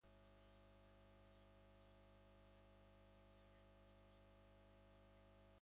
Haien aburuz, oinarrizko eskaera da hori.